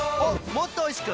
もっとおいしく！